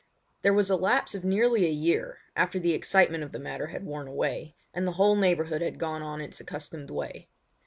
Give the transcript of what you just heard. There was a lapse of nearly a year, after the excitement of the matter had worn away, and the whole neighbourhood had gone on its accustomed way.